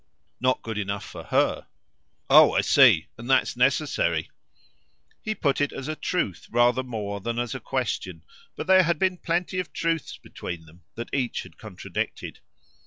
"Not good enough for HER." "Oh I see. And that's necessary." He put it as a truth rather more than as a question; but there had been plenty of truths between them that each had contradicted.